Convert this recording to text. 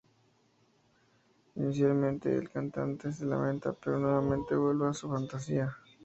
Inicialmente, el cantante se lamenta, pero nuevamente vuelve a su fantasía.